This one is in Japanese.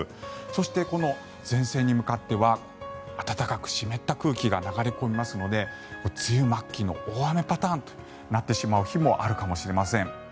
そして、この前線に向かっては暖かく湿った空気が流れ込みますので梅雨末期の大雨パターンとなってしまう日もあるかもしれません。